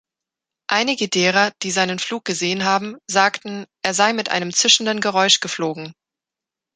Einige derer, die seinen Flug gesehen haben, sagten, er sei mit einem zischenden Geräusch geflogen.